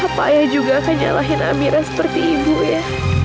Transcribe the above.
apa ayah juga akan nyalahin amira seperti ibu ya